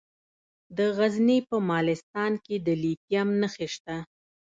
د غزني په مالستان کې د لیتیم نښې شته.